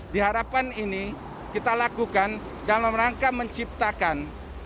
di harapan ini kita lakukan dalam rangka menciptakan